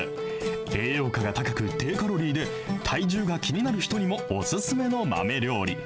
栄養価が高く、低カロリーで、体重が気になる人にもお勧めの豆料理。